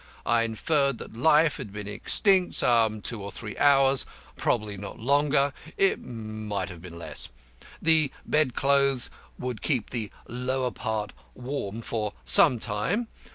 I inferred that life had been extinct some two or three hours, probably not longer, it might have been less. The bed clothes would keep the lower part warm for some time.